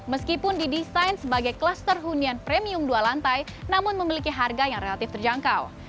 meskipun didesain sebagai kluster hunian premium dua lantai namun memiliki harga yang relatif terjangkau